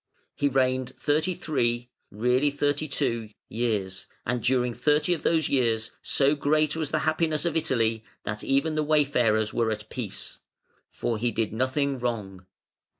He reigned thirty three (really thirty two) years, and during thirty of these years so great was the happiness of Italy that even the wayfarers were at peace. For he did nothing wrong.